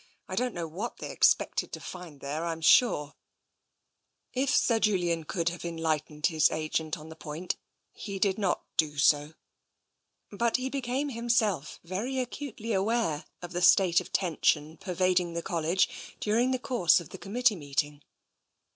I don't know what they expected to find there, I'm sure." 226 it TENSION 227 If Sir Julian could have enlightened his agent on the point, he did not do so. But he became himself very acutely aware of the state of tension pervading the College during the course of the committee meeting.